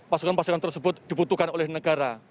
pasukan pasukan tersebut dibutuhkan oleh negara